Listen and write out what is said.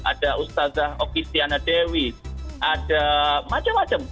ada ustazah oki stiana dewi ada macam macam